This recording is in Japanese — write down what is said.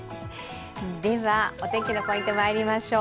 お天気のポイントまいりましょう。